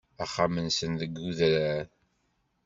Axxam-nsen deg udrar.